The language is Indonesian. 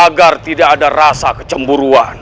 agar tidak ada rasa kecemburuan